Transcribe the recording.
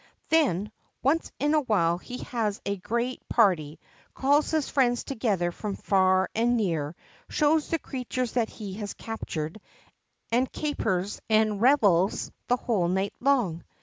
Then, once in awhile, he has a great party, calls his friends together from far and near, shows the creatures that he has captured, and capers and revels the whole night long.